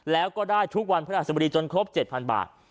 แล้วก็ได้ทุกวันพฤหัสบดีจนครบ๗๐๐บาท